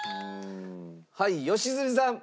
はい良純さん。